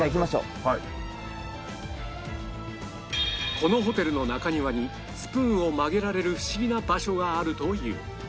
このホテルの中庭にスプーンを曲げられるフシギな場所があるという